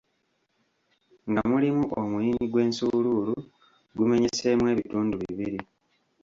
Nga mulimu omuyini gw'ensuuluulu gumenyeseemu ebitundu bibiri.